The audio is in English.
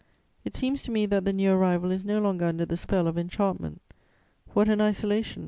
It seems to me that the new arrival is no longer under the spell of enchantment. What an isolation!